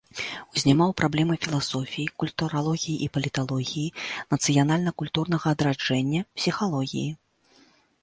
Узнімаў праблемы філасофіі, культуралогіі і паліталогіі, нацыянальна-культурнага адраджэння, псіхалогіі.